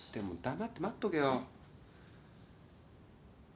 黙って待っとけよ。